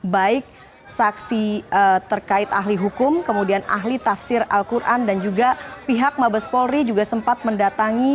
baik saksi terkait ahli hukum kemudian ahli tafsir al quran dan juga pihak mabes polri juga sempat mendatangi